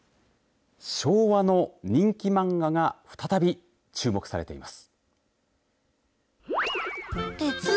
昭和の人気漫画が再び注目されています。